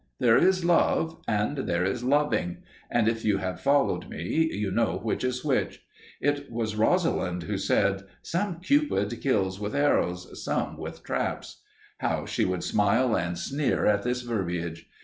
There is love, and there is loving, and if you have followed me, you know which is which. It was Rosalind who said, "Some Cupid kills with arrows, some with traps!" How she would smile and sneer at this verbiage!